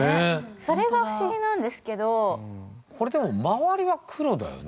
それは不思議なんですけどこれでもまわりは黒だよね